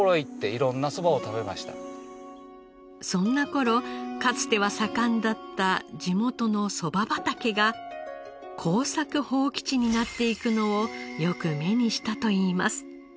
そんな頃かつては盛んだった地元のそば畑が耕作放棄地になっていくのをよく目にしたといいます。